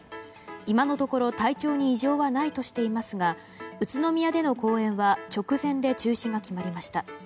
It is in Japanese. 今のところ体調に異常はないとしていますが宇都宮での公演は直前で中止が決まりました。